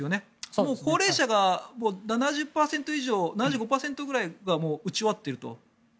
もう高齢者が７５％ぐらいがもう打ち終わっていると。